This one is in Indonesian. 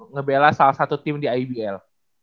ngebela salah satu tim di ibl